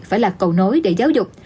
phải là cầu nối để giáo dục